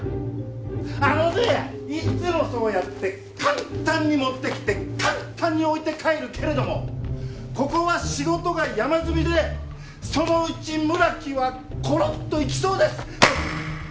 あのねいっつもそうやって簡単に持ってきて簡単に置いて帰るけれどもここは仕事が山積みでそのうち村木はコロッといきそうです！